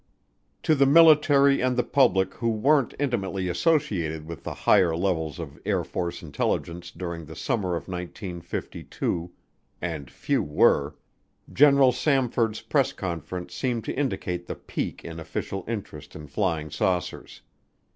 To the military and the public who weren't intimately associated with the higher levels of Air Force Intelligence during the summer of 1952 and few were General Samford's press conference seemed to indicate the peak in official interest in flying saucers.